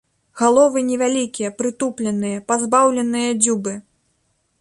Галовы невялікія, прытупленыя, пазбаўленыя дзюбы.